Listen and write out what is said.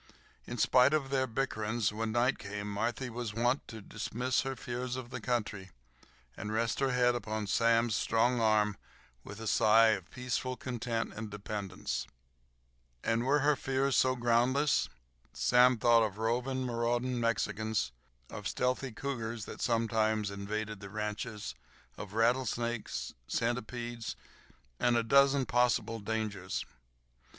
In spite of their bickerings, when night came Marthy was wont to dismiss her fears of the country, and rest her head upon Sam's strong arm with a sigh of peaceful content and dependence. And were her fears so groundless? Sam thought of roving, marauding Mexicans, of stealthy cougars that sometimes invaded the ranches, of rattlesnakes, centipedes, and a dozen possible dangers.